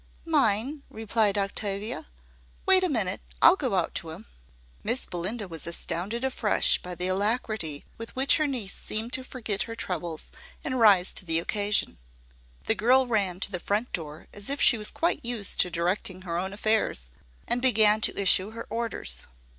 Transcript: "Mine," replied Octavia. "Wait a minute. I'll go out to him." Miss Belinda was astounded afresh by the alacrity with which her niece seemed to forget her troubles, and rise to the occasion. The girl ran to the front door as if she was quite used to directing her own affairs, and began to issue her orders.